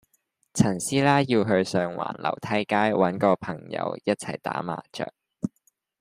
陳師奶要去上環樓梯街搵個朋友一齊打麻雀